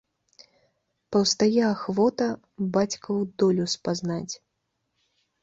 Паўстае ахвота бацькаву долю спазнаць.